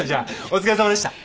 お疲れさまでした。